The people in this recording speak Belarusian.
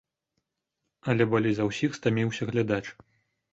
Але болей за ўсіх стаміўся глядач.